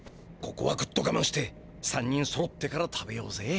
ここはグッとがまんして３人そろってから食べようぜ。